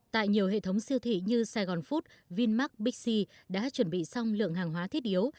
tại nhiều hệ thống siêu thị như saigon food vinmark bixi đã chuẩn bị song lượng hàng hóa thiết yếu